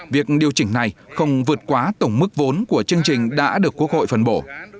việc điều chỉnh này không vượt quá tổng mức vốn của chương trình đã được quốc hội phân bổ